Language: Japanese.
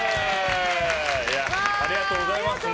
ありがとうございます。